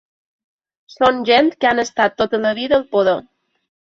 Són gent que han estat tota la vida al poder.